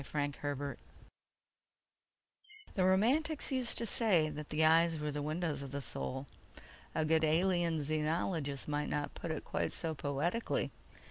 _The Romantics used to say that the eyes were the windows of the Soul. A good Alien Xenologist might not put it quite so poetically